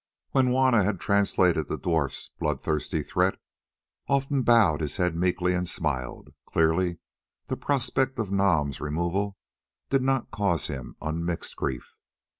When Juanna had translated the dwarf's bloodthirsty threat, Olfan bowed his head meekly and smiled; clearly the prospect of Nam's removal did not cause him unmixed grief.